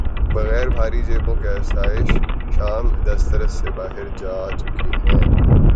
بغیر بھاری جیبوں کے آسائش شام دسترس سے باہر جا چکی ہیں۔